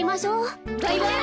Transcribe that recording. バイバイ。